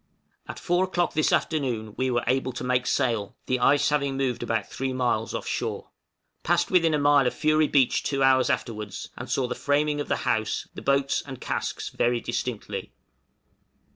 At four o'clock this afternoon we were able to make sail, the ice having moved about 3 miles off shore. Passed within a mile of Fury Beach two hours afterwards, and saw the framing of the house, the boats and casks very distinctly.